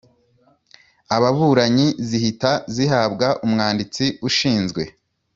ababuranyi zihita zihabwa Umwanditsi ushinzwe